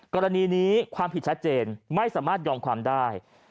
กรณีนี้ความผิดชัดเจนไม่สามารถยอมความได้